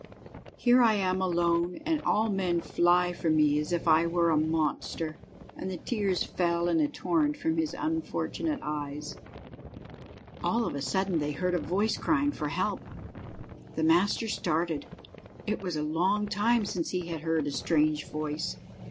Here am I alone, and all men fly from me as if I were a monster," and the tears fell in a torrent from his unfortunate eyes. All of a sudden they heard a voice crying for help. The master started. It was a long time since he had heard a strange voice.